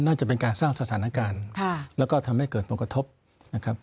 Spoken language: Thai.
น่าจะเป็นการสร้างสถานการณ์แล้วก็ทำให้เกิดผลกระทบนะครับ